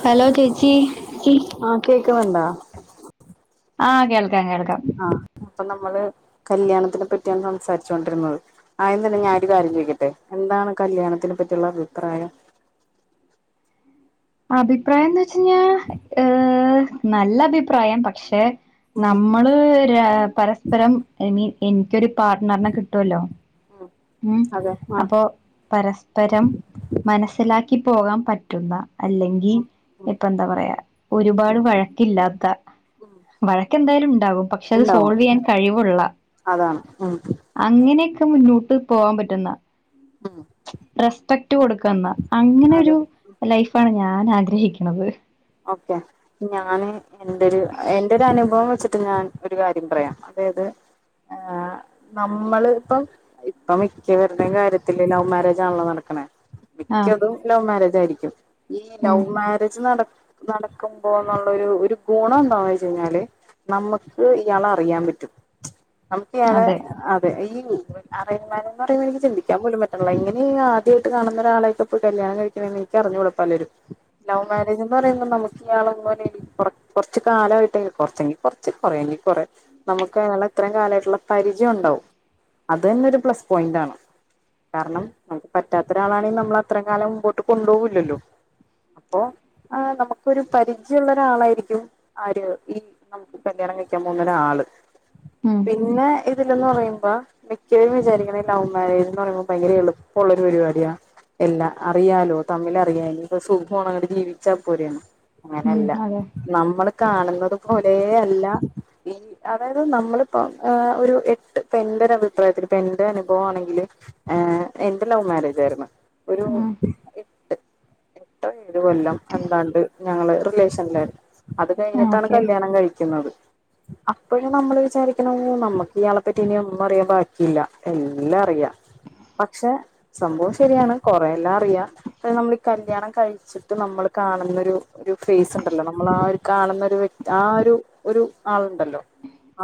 Hello ചേച്ചി കേക്ക്ണ്ടോ ആ കേൾ ആഹ് അപ്പ നമ്മള് കല്യാണത്തിനെ പറ്റിയാണ് സംസാരിച്ചു കൊണ്ടിരുന്നത് ആഹ് എന്നല് ഞാ ഒരു കാര്യം ചോയിക്കട്ടെ എന്താണ് കല്യാണത്തിനെ പറ്റിയുള്ള അഭിപ്രായം? അഭിപ്രായം എന്തോച്ചായിഞ്ഞ ങ് നല്ല അഭിപ്രായം പക്ഷെ ഉം നമ്മള് ര പരസ്പരം അയ്മീൻ എൻ ക്കൊരു പാർട്ടർനെ കിട്ടുമല്ലോ ഉം മ് അതെ ആഹ് അപ്പോ പരസ്പരം മനസ്സിലാക്കി പോവാൻ പറ്റുന്ന അല്ലെങ്കിൽ ഇപ്പ എന്താ പറയാ ഒരുപാട് ഉം വഴക്കില്ലാത്ത വഴക്കെന്തായാലും ഉണ്ടാവും പക്ഷെ അത് ഇണ്ടാവും സോൾവെയ്യാൻ കഴിവുള്ള അതാണ് ഉം അങ്ങനെ മുന്നോട്ട് പോവാൻ പറ്റുന്ന ഉം റെസ്പെക്ട് കൊടുക്കുന്ന അതെ അങ്ങനെരു ലൈഫ് ഞാൻ ആഗ്രഹിക്ക്ണത് ഓക്കെ ഞാന് എന്റെരു എന്റൊരു അനുഭവം വെച്ച് ത്ത് ഞാൻ ഒരു കാര്യം പറയാം അതായത് ഞാൻ ഒരു കാര്യം പറയാം ങ് നമ്മള് ഇപ്പം ഇപ്പ മിക്കവരുടെയും കാര്യത്തില് ലവ് മാരേജ് ആണല്ലോ നടക്ക്ണേ ആഹ് മിക്കതും ലൗമാരേ തായിരിക്കും ഈ ഉം ലൗവ് മാരേജ് നട നടക്കുമ്പോന്നുള്ളരു ഒരു ഗുണം എന്താന്ന് ച്ചയിഞ്ഞാല് നമ്മുക്ക് ഇയാളെ അറിയാൻ പറ്റും നമുക്ക് ഇയാളെ അതെ അതെ ഈ ഉം അറയ്ജ്മേരേജ് പറയുന്നത് എനിക് ചിന്തിക്കാൻ പോലും പറ്റുണ്ല്ല. എങ്ങനെ ആദ്യയിട്ട് കാണുന്ന ഒരാളെയിട്ട്പ്പം കല്യാണം കഴിക്കണേ ന്നോയ്ച്ചാ അറിഞ്ഞുടാ പലരും ലൗമേരേജ് ന്ന് പറ പ്പം നമുക്ക് ആളറിമ്പോലെ കുറ കുറച്ച് കാലമായിട്ടെ കുറച്ചെങ്കി കുറച്ച് കുറെങ്കി കുറെ നമുക്ക് അയാൾ ഇത്രയും കാലയിട്ടുള്ള പരിചയം ഉണ്ടാവും. അതെന്നെ ഒരു പ്ലസ് പോയിന്റ് ആണ്. കാരണം നമുക്ക് പറ്റാത്ത ഒരാളാണെ നമ്മൾ അത്രയും കാലം മുമ്പോട്ട് കൊണ്ടോഉല്ലല്ലോ. അപ്പോ ആഹ് നമു ക്കൊരു പരിചയള്ള ഒരാളായിരിക്കും ആര് ഈ നമുക്ക് കല്യാണം കഴിക്കാൻ പോകുന്നരാള്. ഉം പിന്നെ ഇ രില്ലെന്ന് പറയുമ്പോ മിക്കവരും വിചാരിക്ണെ ലവ് മാരേജ് എന്ന് പറയുമ്പോ ഭയങ്കര എളുപ്പള്ള ഒരു പരിപാടിയ എല്ലാ അറിയാലോ തമ്മിൽറിയാല് ഇപ്പ സുഖമാണ് അങ്ങട്ട് ജീവിച്ചാ പോരെന്ന്. ഉം അങ്ങനെയല്ല അതെ നമ്മള് കാണുന്നത് പോലേ അല്ല. ഈ അതായത് നമ്മളിപ്പ ഏ ഒരു എട്ട് എന്റെ ഒരു അഭിപ്രായത്തില് എന്റെ അനുഭവം ആണെങ്കില് ഏ എന്റെ ലൗവ് മാരേജ ആയിരുന്നു. ഒരു ഉം എട്ട് എട്ടോ ഏഴ് കൊല്ലംഅന്താണ്ട് ഞങ്ങള് റിലേഷന്ല്ലാ അത് ആ കഴിഞ്ഞിട്ടാണ് ഓക്കെ കല്യാണം കഴിക്ന്നത് അപ്പോഴും നമ്മൾ വിചാരിക്കണം നമ്മക്ക് ഇയാളെപ്പറ്റി ഇനി ഒന്നും അറിയാൻ ബാക്കിയില്ല. എല്ലാ അറിയാ. പക്ഷെ സംഭവം ശരിയാണ് കൊറേ എല്ലാ അറിയാ. പക്ഷെ സംഭവംശരിയാണ് കൊറെ എല്ലാ അറിയാ. ത് നമ്മൾ കല്യാണം കഴിച്ചിട്ട് നമ്മൾ കാണുന്നൊരു ഒരു ഫേസ് ഉണ്ടല്ലോ നമ്മളാര് കാണുന്നൊരു വ്യക് ആ ഒരു ഒരു ആളുണ്ടല്ലോ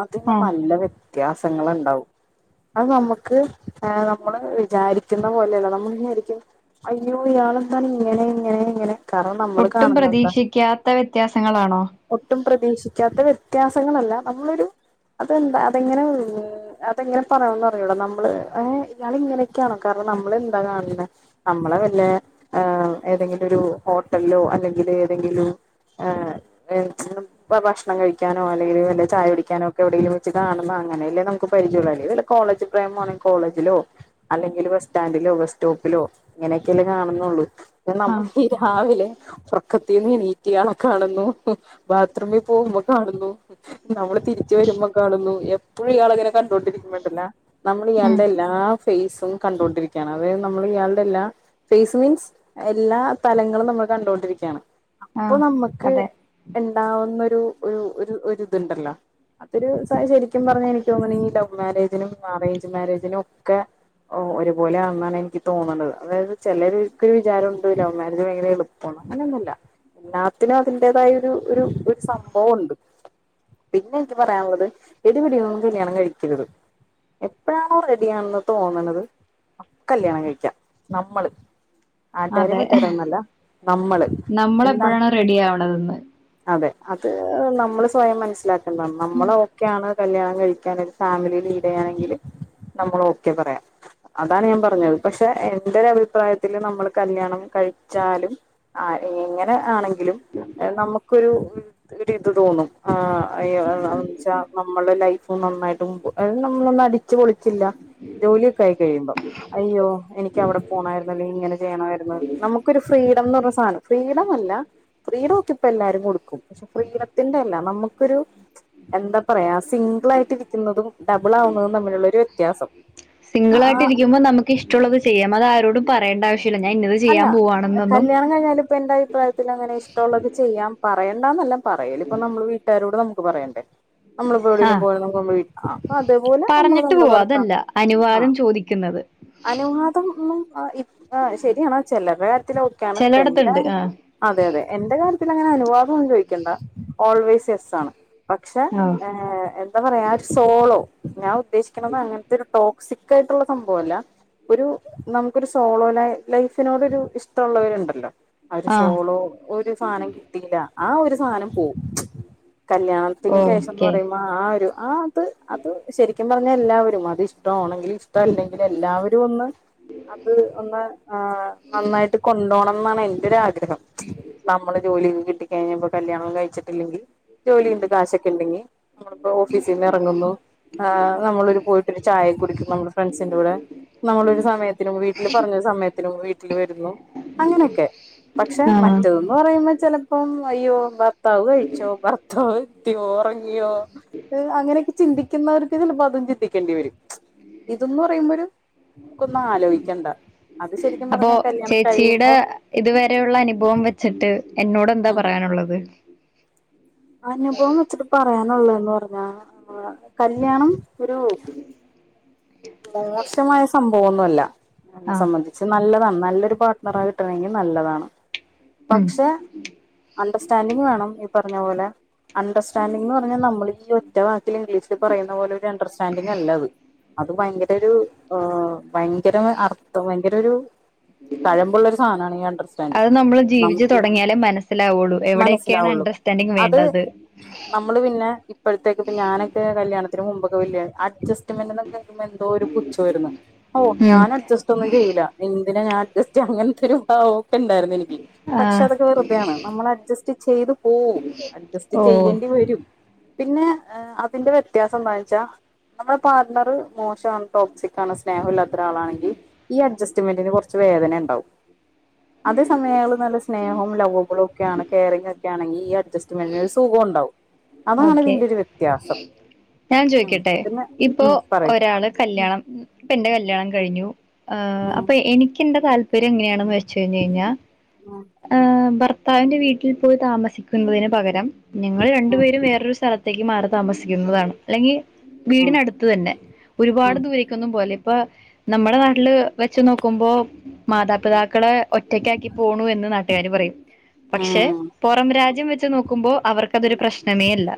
അതിന് ആഹ് നല്ല വ്യ വ്യത്യാസങ്ങ ഉണ്ടാവും അത് നമ്മുക്ക് നമ്മള് വിചാരിക്കുന്ന പോലെയല്ല നമ്മൾ വിചാരിക്ക അയ്യോ ഇയാളന്ത ഇങ്ങനെ ഇങ്ങനെ ഇങ്ങനെ കാരണം നമ്മള് കാണുന്നത് പ്രീക്ഷിക്കാത്ത വ്യത്യാസങ്ങളാണോ ഒട്ടും പ്രതീക്ഷിക്കാത്ത വ്യത്യാസങ്ങളല്ല നമ്മളൊരു അതെന്താ അതെങ്ങനെ അതെങ്ങനെ പറയണം അറിയൂട നമ്മൾ ഇയാള ഇങ്ങനെയൊക്കെയാണോ കാരണം നമ്മൾ എന്താ കാണുന്നത് നമ്മളെ വല ഏതെങ്കിലും ഒരു ഹോട്ടലിലോ അല്ലെങ്കിൽ ന്തെങ്കിലും ഭക്ഷണം കഴിക്കാനോ അല്ലെങ്കിൽ വല്ല ചായ കുടിക്കാനോ ഒക്കെ എവിടെെങ്കിലും വെച്ച് കാണുന്ന അങ്ങനെയല്ലേ നമുക്ക് പരിചയം ഉള്ളു അല്ലെങ്കിൽ വല്ല കോളേജ് പ്രേമമാണെൽ കോളേജിലോ അല്ലെലും ഭക്ഷണം കഴിക്കാനോ അല്ലെങ്കിൽ വല്ല ചായ കുടിക്കാനോ ഒക്കെ ഇവിടെങ്കിലും വച്ച് കാണുമ്പംഅല്ലെങ്കിൽ ബസ് സ്റ്റാൻഡിലോ ബസ് സ്റ്റോപ്പിലോ ഇങ്ങനെയൊക്കെല്ലേ കാണുന്നുള്ളൂ ആഹ് നമ്മളീ രാവിലെ ഹ്ര പക്കത്തിന്ന് നീറ്റ് ഇയാളെ കാണുന്നു ബാത്റൂമിൽ പോകുമ്പോൾ കാണുന്നു നമ്മൾ തിരിച്ച വരുമ്പോ കാണുന്നു എപ്പോഴും ഇയാള അങ്ങനെ കണ്ടൊണ്ടിരിക്കുന്നുണ്ടല്ല നമ്മൾ ഉം ഇയാളുടെ എല്ലാ ഫേസും കണ്ടൊണ്ടിരിക്കയാണ് അതായത് നമ്മൾ ഇയാളുടെ എല്ലാ ഫേസ് മീൻസ് എല്ലാ തലങ്ങളും നമ്മൾ കണ്ടൊണ്ടിരിക്കുകയാണ് അ ഇപ്പൊ ആഹ് നമ്മുക്ക് അതെ ഉണ്ടാവുന്നൊ ഒരു ഒരു ഒരു ഇതുണ്ടല്ലോ അതൊരു ശരിക്കും പറഞ്ഞ എനിക്ക് തോന്നണഈ ലവ് മാരേജിനും അറേഞ്ച് മാരേജിനും ഒക്കെ ഒരുപോലെ ആണന്നാണ് എനിക്ക് തോന്നണുന്നത് അതായത് ചിലർക്കൊ ഒരു വിചാരംുണ്ട് ലവ് മാരേജ് ഭയങ്കര എളുപ്പമാണ് അങ്ങനെയൊന്നുമല്ല എല്ലാത്തിനും അതിന്റതായ ഒരു ഒരു സംഭവംുണ്ട് പിന്നെ എനിക്ക് പറയാനുള്ളത് എടിപടിന്നന്നും കല്യാണം കഴിക്കരുത് എല്ലാത്തിനു അതിൻ്റെതായ ഒരു ഒരു സംഭവമുണ്ട് പിന്നെനിക്ക് പറയാനുള്ളത് ഒരു പിടില്ലാതെ കല്യാണം കഴിക്കരുത്എപ്പോഴാണോ റെഡി ആണെന്ന് തോന്നണത് അപ്പൊ കല്യാണം കഴിക്കാം നമ്മള് ആട്ടാര അതെ മറ്റാര ഒന്നല്ല നമ്മള് നമ്മള എപ്പോഴാണ് എന്താണ് റെഡി ആവണതന്ന് അതെ അത് നമ്മള് സ്വയം മനസ്സിലാക്ക നനമ്മള് ഒക്കെയാണ് ക കഴ ഫാമിലിഡ ചെയണെങ്കിൽ കല്യാണം കഴിക്കാൻ ഒരു ഫാമിലിനിടെയാണെങ്കിൽനമ്മൾ ഓക്കെ പറയാം അതാണ് ഞാൻ പറഞ്ഞത് പക്ഷെ എൻ്റെ ഒര ഭിപ്രായത്തിൽ നമ്മർ കല്യാണം കഴിച്ചിലും ആ എഞ്ഞെ ആണെങ്കിലും നമുക്കൊരു ഇത് തോന്നുംച്ചാ നമ്മുടെ ലൈഫ് നന്നായിട്ട്് നമ്മളൊന്നും അടിിച്ചച്ച് പൊളിച്ചില്ല ജോലിയൊക്കെ ആയി കഴിയുമ്പോ അയ്യോ എനിിക്ക അവിടെ പോണമായിുന്ന ഇങ്ങനെ ചെയ്യണമായിര നമുക്കൊരു ഫ്രീഡംന്ന് പറ സാധനം്ര ീല്ല ഫ്രീടം ഒക്കെ ഇപ്പ എല്ലാരും കൊടുക്കും പക്ഷെ ഫ്രീടത്തിന്റെ അല്ല നമുക്കൊരു എന്താ പറയാ നല്ല പ്രീഡാ യിട്ടിപ്പെല്ലാരും കൊടുക്കും പക്ഷെ പ്രീഡത്തിൻ്റെ അല്ല നമക്കൊരു എന്താ പറയാ നമ്മളൊരുസിംഗിൾ ആയിട്ട് ഇരിക്കുന്നതും ഡബിൾ ആവുന്നതും തമ്മിലുള്ള ഒരു വ്യത്യാസം സിംഗിൾ ആ ആയിട്ടിരിക്കുമ്പോ നമുക്ക് ഇഷ്ടുള്ളള്ളത് ചെയ്യാം അത് ആരോടുംപറേണ്ട ആവശ്യ ഞാൻ ഇന്നത് അല്ല ചെയ്യാൻ പോവവാണെന്നൊന്നും കല്യാണം കഴിഞ്ഞാൽ ഇപ്പൊ എന്റെ അഭിപ്രായത്തിൽ അങ്ങനെ ഇഷ്ടമുള്ളത് ചെയ്യാം പറയേണ്ടന്നല്ലാം പറയല ഇപ്പൊ നമ്മൾ വീട്ടുകാരോട് നമുക്ക് പറയണ്ടേ നമ്മളിപ്പടെെങ്കിലും ആഹ് പോണെലുന മുക്കൊബൈഅതുപോലെ നമ്മള് പറഞ്ഞിട്ട് നമ്മള് പോവാ വേറെത്ത അതല്ല ആ അനുവാദം ചോദിക്കുന്നത് അനുവാദം ശരിയണോ ചിലപ്പോ കാര്യത്തിലക്കെയാണ് ഇ എ ചിലയിടത്തുണ്ട് ആഹ് അതെ അതെ എന്റെ കാര്യത്തി ക്ക് അങ്ങ്നെ അനുവാദൊന്നും ചോദിക്കണ്ട ഓൾവേസ് യെസ് ആണ് [inaudible] പക്ഷെ ആഹ് എന്താ പറയാ ആ ഒരു സോളോ നു ഉദ്ദേശിക്കുന്നത് അങ്ങനത്തെ ഒരു ടോ ക്ക് ആയിട്ടുള്ള സംഭവല്ല ഒരു നമുക്കൊരു സോളോന ലൈഫിനോട്ൊരു ഇഷ്ടമുള്ളവരുണ്ടല്ലോ ഒരു ആഹ് സോളോ ഒരു സാധനം കിട്ടീയില്ല ആ ഒരു സാധനം പോവും കല്യാണത്തിന് ശേഷംന്ന് ഓക്കെ പറയുമ്പോൾ ആ ഒരു ആഹ അ അത് ശരിക്കും പറ എല്ലാവരും അത് ഇഷ്ടമാണെങ്കിൽ ഇഷ്ട അല്ലെങ്കിൽ എല്ലാവരും ഒന്ന് അത് ആ നന്നായിട്ട് കൊണ്ടുപോണം എന്നാണ് എന്റെരാഗ്രഹം നമ്മള് ജോലി കിട്ട കഴിഞ്ഞപ്പോ കല്യാണം കഴിച്ചിട്ടില്ലെങ്കിൽ ജോലി ഉണ്ട് കാശൊക്കെ ഉണ്ടെങ്കി നമ്മളിപ്പോ ഓഫീസിൽ നിന്ന് ഇറങ്ങുന്നു ആ നമ്മളൊ ഒരു പോയിട്ടരു ചായ കുടിക്കുന്നു നമ്മുടെ ഫ്രണ്ട്സിന്റെറെ കൂടെ നമ്മളൊരു സമയത്തിനും വീട്ടിൽ പറഞ്ഞൊരു സമയത്തി- വീട്ടിൽ വരുന്നു അങ്ങനെയൊക്കെ പക്ഷെ ആഹ് മറ്റന്ന് പറയുമ്പോൾ - ചിലപ്പം അയ്യോ ത കഴിച്ചോ പത്തോ [unintelligible] ത്തി [unintelligible] യ ഉറങ്ങിയോ അങ്ങനെയൊക്കെ ചിന്തിക്ക- ുന്നവർക്ക് [unintelligible] ചിലപ്പോ അതും ചിന്തിക്കേണ്ടി വരും ഇതന്ന് പറയുമ്പോ ഒരു നമുക്കൊന്നാ ആലോചിക്കണ്ട അപ്പോ ചേച്ചിയുടെ ഇതുവരെയുള്ള അനുഭവം വെച്ചിട്ട്- എന്നോട് എന്താ പറയാനുള്ളത് അനുഭവന്ന് വെച്ചിട്ട് പറയാനുള്ളത് പറ കല്യാണം ഒരു മോശമായ സംഭവം അല്ല എന്നെ ആഹ് സംബന്ധിച്ച് നല്ലതാണ് നല്ലൊരു പാർട്ട്ണറ കിട്ടണമെങ്കിൽ നല്ലതാണ് ഉം പക്ഷെ അണ്ടർസ്റ്റാൻഡിങ് വേണം ഇ പറയഞ്ഞ പോലെ അണ്ടർസ്റ്റാൻഡിന്ന് പറഞ്ഞാൽ നമ്മൾ ഒറ്റ- ഇംഗ്ലീഷിൽ പറയുന്ന പോലെ ഒരു അണ്ടർസ്റ്റൻഡിങ് അല്ല അത് അത് ഭയങ്കര ഒരു ഭയങ്കര അർത്ഥം കഴമ്പുള്ള ഒരു സാധനമാണ് ഈ അണ്ടർസ്റ്റാൻഡിങ് അത് നമ്മള് ജീവിച്ചു നമുക്ക് തുടങ്ങിയാലേ മനസ്സിലാവുള്ളൂ എവിടെയൊക്കെയാണ് മനസ്സിലാവുള്ളു അണ്ടർസ്റ്റാൻഡിങ് അത് വേണ്ടത് നമ്മള് പിന്നെ ഇപ്പോഴത്തേക്ക ഞാനൊക്കെ കല്യാണത്തി- മുമ്പ അഡ്സ്മെന് എന്തോ ഒരു പുച്ഛമായിരുന്നു ഓ ഉം ഞാൻ അഡ്ജസ്റ്റ് ഒന്നും ചെയില്ല എന്തിനാ ഞാൻ അഡ്ജസ്റ്റ് ചെയ്യണേ [inaudible] [inaudible] ഉണ്ടായിരുന്നു എനിക്ക് പക്ഷെ ആഹ് അതൊക്കെ വെറുതെയാണ് നമ്മൾ അഡ്ജസ്റ്റ് ചെയ്ത് പോവും അഡ്ജസ്റ്റ് ഓ ചെയ്യേണ്ടി വരും പിന്നെ അതിന്റെ വ്യത്യാസം എന്താ വെച്ചാ നമ്മുടെ പാർട്ണർ- മോശംമാണ് ടോപ്പ്സി സ്നേഹം ഇല്ലാത്ത ഒരാളാണെങ്കിൽ ഈ അഡ്ജസ് [unintelligible] കാെർച്ച് വേദനെണ്ടാവും അതേ സമയം ആ [unintelligible] നല്ല സ്നേഹവും ലൗവ്വുംകൂടെ ക്കേണ് കെയറിങ്ങാക്കെ ആണെങ്കി ഈ അഡ്ജസ്റ്റ്മെന്റിന് ഒര് സുഖാേണ്ടാവും ഓക്കെ ഞാൻ ഉം ചോയ്ക്കട്ടെ പിന്നെ ഇപ്പൊ ഉം പറയ് ഒരാള് ഉം കല്യാണം പ്പെ എന്റെ കല്യാണം കഴിഞ്ഞു ആ അപ്പൊ എനിക്കിന്റെ താൽ പര്യം എങ്ങനെയണെന്ന് വെച്ച് കഴിഞ്ഞായ്ഞ്ഞാ ഉം ആ ഭർ ത്താവിന്റെ വീട്ടിൽ പോയി താമസിക്കുന്നതിന് പകരം ഞങ്ങൾ രണ്ടു ഉം ഉം പേരും വേറൊരു സ്ഥലത്തേക്ക് മാറും താമസിക്കുന്നതാണ് അല്ലെങ്കി ഉം വീടിനടുത്ത് തന്നെ ഉം ഒരുപാട് ദൂരേക്കൊന്നും പോവലേ ഇപ്പ നമ്മടെ നാട്ടിൽ വെച്ച് നോക്കുമ്പോ മാതാപിതാക്കളെ ഒറ്റയ്ക്ക് ആക്കി പോണു എന്ന് നാട്ട്കാര് പറയും പക്ഷെ ഉം പാെറം രാജ്യം വെച്ച് നോക്കുമ്പോ അവർക്ക് അതൊരു ഉം പ്രശ്നമേ അല്ല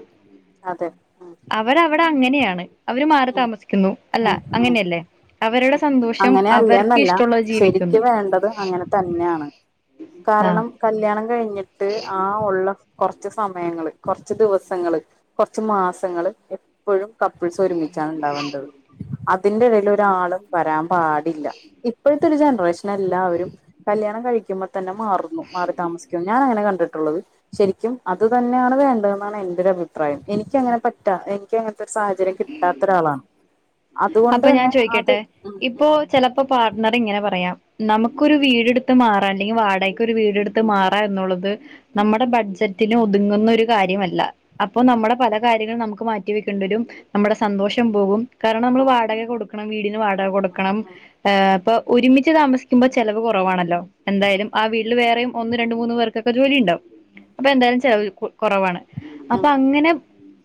അതെ ഉം അവരവടെ അങ്ങനെയാണ് അവർമാറി ഉം താമസിക്കുന്നു അല്ല ഉം ഉം അങ്ങനെയല്ലേ അവരുടെ സന്തോഷം അങ്ങനെ അവർക്ക് അല്ലേന്നല്ല ഇഷ്ടമുള്ളത് ശരിക്ക് ജീവിക്കുന്നു വേണ്ടത് അങ്ങനെ തന്നെയാണ് ആഹ് കാരണം കല്യാണം കഴിഞ്ഞിട്ട് ആ ഒള്ള കൊർച്ച് സമയങ്ങൾ കൊർച്ച് ദിവസങ്ങൾ കൊർച്ച് മാസങ്ങൾ എപ്പഴും കപ്പിൾസ് ഒരുമി ച്ച ണ്ടാവേണ്ടത് അതിന്റെ ഇടേൽ ഒരാളും വരാൻ പാടില്ല ഇപ്പോ പ്പോഴത്തൊരു ജൻറേഷൻ എല്ലാവരും കല്യാണം കഴിക്കുമ്പ തന്നെ മാറുന്നു മാറി താമസിക്കുന്നു ഞാൻ അങ്ങനെ കണ്ട് ള്ളത് ശരിക്കും അത് തന്നെയാണ് വേണ്ടെന്നാണ് എന്റെ ഒരു അഭിപ്രായം എനിക്കങ്ങനെ പറ്റ എനിക്ക് ത്തെ സാഹചര്യം കിട്ടാ അപ്പൊ ഞാൻ അത് ചോയ്ക്കട്ടെ ഉം ഇപ്പൊ ഉം ചിലപ്പോ പാർട്ണർ ഇങ്ങനെ പറയാം നമുക്കൊരു വീട്ടുത്ത് മാറാംൻ അല്ലെങ്കിൽ വാടക ഒരു വീടെടുത്ത് ഉം മാറാ എന്നുള്ളത് നമ്മുടെ ബഡ്ജറ്റിലും ഒതുങ്ങുന്ന ഒരു കാര്യമല്ല അപ്പൊ നമ്മുടെ പല കാര്യങ്ങളും നമുക്ക് മാറ്റി വെക്കേണ്ടി വരും നമ്മുടെ സന്തോഷം പോകും കാരണം നമ്മൾ ഉം വാടക കൊടുക്കും കൊടുക്കണം വീടിന് വാടക വാടക കൊടുക്കണം ഉം ഒരുമിച്ച് ഒരുമിച്ച് താമസിക്കുമ്പോൾ ചിലവ് കുറവാണല്ലോ എന്തായാലും ആ വീട്ടിൽ വേറെയും ഒന്ന് രണ്ട മൂന്ന് പേർക്കൊക്കെ ജോലി ഉണ്ടാാവും അപ്പൊ എന്തായാലും ചില കുറവാണ് അപ്പൊ ഉം അങ്ങനെ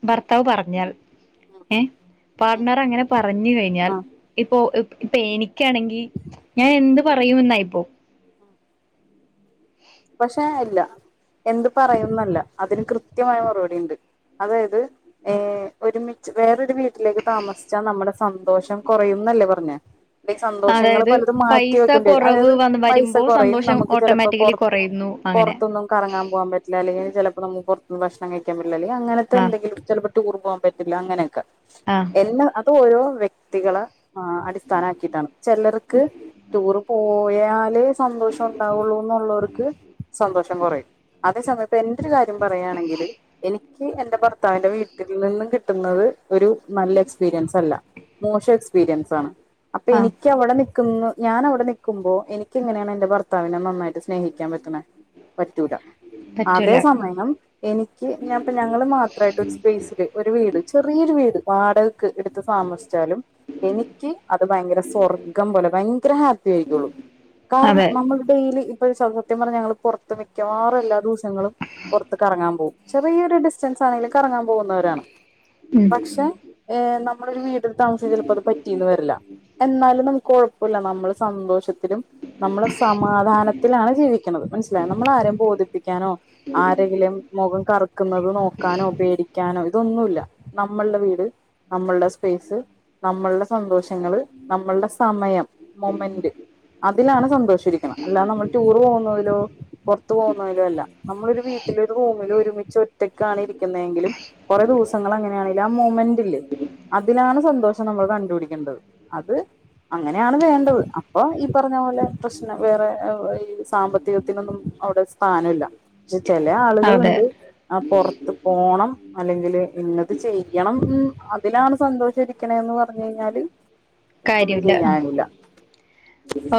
ഭർത്താവ് പറഞ്ഞാൽ ഏഹ പാർട്ണർ അങ്ങനെ പറഞ്ഞു കഴിഞ്ഞാൽ ആഹ് ഇപ്പോൊ ഇപ്പ എനിക്ക് ക്കണെങ്കിൽ ഞാൻ എന്ത് പറയുമെന്ന ബോ പക്ഷെ അല്ല എന്ത് പറയുന്നല്ല അതിന് കൃത്യമായ മറുപടി ഉണ്ട് അതായത് ഏർ ഒരുമിച്ച് വേറൊരു വീട്ടിലേക്ക് താമസിച്ചാ നമ്മുടെ സന്തോഷം കുറയുന്നല്ലേ പറഞ്ഞേ ഇ സന്തോഷങ്ങൾ അതായത് പലതും മാറ്റി പൈസ വെക്കേണ്ടി വരും കുറവ് അതായത് വന്ന് പൈസ വരുമ്പോ കുറയും സന്തോഷം നമുക്ക് ചിലപ്പോ ഓട്ടോമാറ്റിക്കലി പുറത്ത് കുറയുന്നു അങ്ങനെ പുറത്തൊന്നും കറങ്ങാൻ പോകാൻ പറ്റില്ല അല്ലെങ്കിൽ ചിലപ്പോ നമുക്ക് പുറത്തുനിന്ന് ഭക്ഷണം സങ്ങക്ക അങ്ങനത്തെ ആ എന്തെങ്കിലും ചില ടൂർ പോവാൻ പറ്റില്ല അങ്ങനെയൊക്കെ ആ എല്ലാ അത് പോയോ വ്യക്തിള ആ അടിസ്ഥാനമാക്കിയിട്ടാണ് ചിലർക്ക് ടൂറ് പോയ [unintelligible] സന്തോഷം ഉണ്ടാവുള്ളൂ എന്നുള്ളവർക്ക് സന്തോഷം കുറയും അതേ സമയത്ത് ഇപ്പൊ എന്റെൊരു കാര്യം പറയുകയാണെങ്കില് എനിക്ക് എനിക്ക് എന്റെ ഭർത്താവിന്റെ വീട്ടിൽ നിന്നും കിട്ടുന്നത് ഒരു നല്ല എക്സ്പീരിയൻസ് അല്ല മോശം എക്സ്പീരിയൻസ് ആണ് അപ്പൊ ആ എനിക്ക് അവിടെ നി ക്ന്ന് ഞാൻ അവിടെ നിക്കുമ്പോ എനിക്ക് എങ്ങനെയാണ് എന്റെ ഭർത്താവിനെ നന്നായിട്ട് സ്നേഹിക്കാൻ പറ്റണെ പ റ്റൂല അതേ പറ്റൂല സമയം എനിക്ക് ഞാൻപ്പ ഞങ്ങള് മാത്രമായിട്ട് ഒരു സ്പേസില് ഒരു വീട് ചെറിയൊരു വീട് വാടകക്ക് എട് താമസിച്ചാലും എനിക്ക് അത് ഭയങ്കര സ്വർഗം പോലെ ഭയങ്കര ഹാപ്പി ആയിക്കൊളും കാരണം അതെ നമ്മൾ ഡെയ്ലി ഒരു സത്യം പറഞ്ഞൾ പുറത്ത് മിക്കവാറും എല്ലാ ദിവസവും നങ്ങളും പുറത്ത് കറങ്ങാൻ പോകും ചെറിയ ഒരു ഡിസ്റ്റൻസ് കറങ്ങാൻ പോകുന്നവരാണ് ഉം പക്ഷെ നമ്മളൊരു വീട് താമസ ചിലപ്പോ അത് പറ്റിന്ന് വരില്ല എന്നാലും നമ്മുക്ക് കൊഴപ്പില്ല നമ്മള് സന്തോഷത്തിലും നമ്മൾ സമാധാനത്തിലാണ് ജീവിക്കണത് നമ്മളാരും ബോധിപ്പിക്കാനോ ആരെങ്കിലും മുഖം കറുപ്പി ക്കുന്നത് നോക്കാനോ പേടിക്കാനോ അതൊന്നുമില്ല നമ്മളുടെ വീട് നമ്മളുടെ സ്വ സപയ്സ് നമ്മളുടെ സന്തോഷങ്ങള് നമ്മളുടെ സമയം മൊമെന്റ് അതിലാണ് സന്തോഷരിക്കുന്നത് അല്ലാതെ നമ്മൾ ടൂറ് പോകുന്നതിലോ പുറത്തു പോകുന്നതിലും അല്ല നമ്മളൊരു വീട്ടില് ഒരു റൂമില് ഒരുമിച്ച് ഒറ്റക്ക് കാണിരിക്കുന്നതെങ്കിലും കുറെ ദിവസങ്ങൾ അങ്ങനെയാണെക്കിലും ആ മൊമെന്റില്ലേ അതിലാണ് സന്തോഷം നമ്മൾ കണ്ടുപിടിക്കേണ്ടത് അത് അങ്ങനെയാണ് വേണ്ടത് അപ്പൊ ഈ പറഞ്ഞ പോലെ പ്രശ്നം വേറെ ഈ സാമ്പത്തിക ത്തിനൊന്നും അവിടെ സ്ഥാനല്ല ചില ആളുകളൾ അതെ ഉണ്ട് ആ പുറത്ത് പോണം അല്ലെങ്കിൽ ഇഞത് ചെയ്യണം അതിലാണ് സന്തോഷം ഇരിക്കണ് എന്ന് പറഞ്ഞു കഴിഞ്ഞാൽ പിന്നൊന്നും കാര്യല്ല ചെയ്യാനില്ല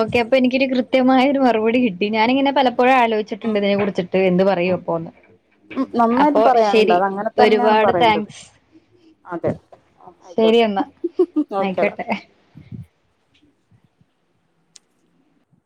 ഓക്കെ അപ്പൊ എനിക്കൊരു കൃത്യമായ ഒരു മറുപടി കിട്ടി ഞാനങ്ങിനെ പലപ്പോഴും പപ്പോഴും ആലോചിച്ചിട്ടുണ്ട് ഇതിനെ കുറിച്ചിട്ട് എന്ത് പറയും അപ്പോന്ന് ഉം നന്നായിട്ട് അപ്പൊ പറയാനുണ്ട് ശരി അത് അങ്ങനെ തന്നെയാണ് ഒരുപാട് പറയേണ്ടത് താങ്ക്സ് അതെ ശരി ആയിക്കോട്ടെ എന്നാ ഓക്കേടാ ആയികോട്ടെ